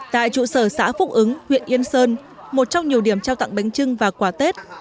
tại trụ sở xã phúc ứng huyện yên sơn một trong nhiều điểm trao tặng bánh trưng và quà tết